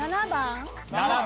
７番。